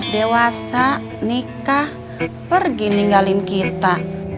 dewasa nikah pergi ninggalin kita